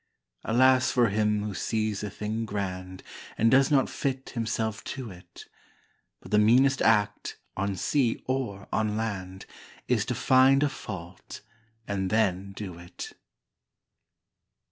Alas for him who sees a thing grand And does not fit himself to it! But the meanest act, on sea or on land, Is to find a fault, and then do it!